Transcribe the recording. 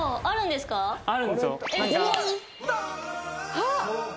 あっ！